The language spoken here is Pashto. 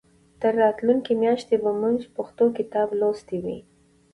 تر راتلونکې میاشتې به موږ پښتو کتاب لوستی وي.